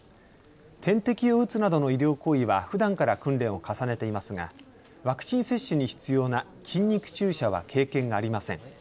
点滴を打つなどの医療行為はふだんから訓練を重ねていますがワクチン接種に必要な筋肉注射は経験がありません。